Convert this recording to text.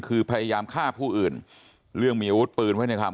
คือพยายามฆ่าผู้อื่นเรื่องมีอาวุธปืนไว้ในความ